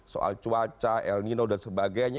soal cuaca el nino dan sebagainya